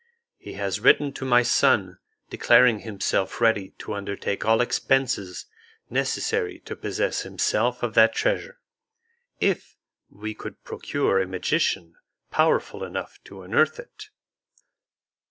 He has written to my son, declaring himself ready to undertake all expenses necessary to possess himself of that treasure, if we could procure a magician powerful enough to unearth it."